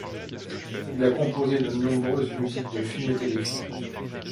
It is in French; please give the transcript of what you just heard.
Il a composé de nombreuses musiques de films et téléfilms.